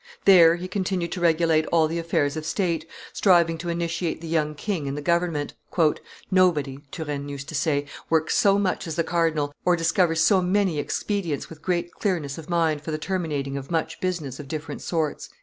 There he continued to regulate all the affairs of state, striving to initiate the young king in the government. "Nobody," Turenne used to say, "works so much as the cardinal, or discovers so many expedients with great clearness of mind for the terminating of much business of different sorts."